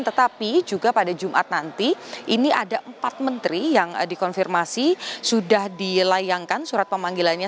tetapi juga pada jumat nanti ini ada empat menteri yang dikonfirmasi sudah dilayangkan surat pemanggilannya